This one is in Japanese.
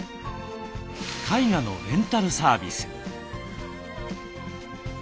絵画のレンタルサービス。